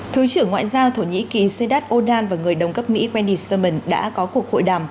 thứ trưởng ngoại giao thổ nhĩ kỳ sedat odan và người đồng cấp mỹ eny sulmon đã có cuộc hội đàm